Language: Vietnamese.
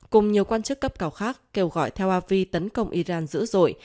cùng nhiều quan chức cấp cầu khác kêu gọi theo avi tấn công iran dữ dội